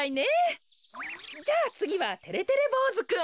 じゃあつぎはてれてれぼうずくん。